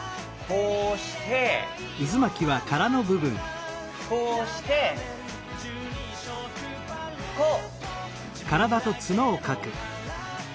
こうしてこうしてこう。